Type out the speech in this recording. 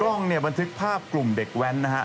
กล้องเนี่ยบันทึกภาพกลุ่มเด็กแว้นนะฮะ